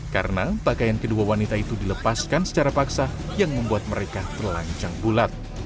karena pakaian kedua wanita itu dilepaskan secara paksa yang membuat mereka terlanjang bulat